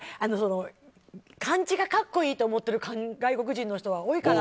漢字が格好いいと思ってる外国人の人は多いから。